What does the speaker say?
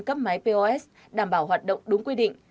cấp máy pos đảm bảo hoạt động đúng quy định